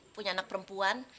punya anak perempuan